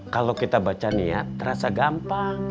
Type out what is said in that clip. kalau kita baca niat terasa gampang